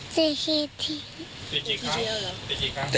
เตะกี่ทีครับ